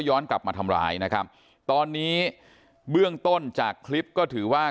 ย้อนกลับมาทำร้ายนะครับตอนนี้เบื้องต้นจากคลิปก็ถือว่า